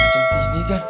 sama siti ini kan